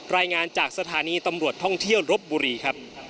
รายงานจากสถานีตำรวจท่องเที่ยวรบบุรีครับ